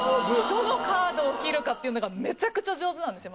どのカードを切るかっていうのがめちゃくちゃ上手なんですよ。